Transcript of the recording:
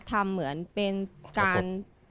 ทำเหมือนเป็นการ